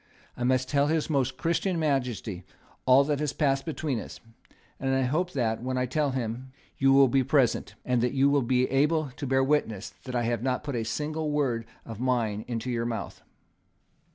I must tell His Most Christian Majesty all that passed between us; and I hope that, when I tell him, you will be present, and that you will be able to bear witness that I have not put a single word of mine into your mouth."